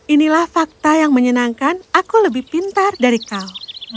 inilah fakta yang menyenangkan aku lebih pintar dari kau